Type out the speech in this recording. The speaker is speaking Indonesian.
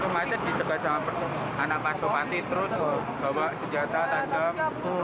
jadi disitu pak waktu macet di segajah anak pak sobatin terus bawa senjata tajam